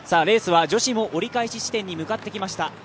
レースは女子も折り返し地点に向かってきました。